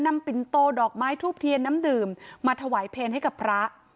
ปิ่นโตดอกไม้ทูบเทียนน้ำดื่มมาถวายเพลงให้กับพระ